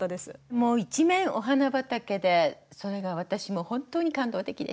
もう一面お花畑でそれが私も本当に感動的でした。